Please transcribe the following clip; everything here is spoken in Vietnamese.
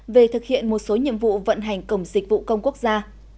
về thực hiện một số nhiệm vụ vận hành cổng dịch vụ công quốc gia